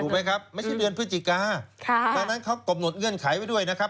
ไหมครับไม่ใช่เดือนพฤศจิกาดังนั้นเขากำหนดเงื่อนไขไว้ด้วยนะครับ